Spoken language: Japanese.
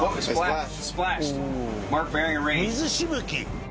水しぶき？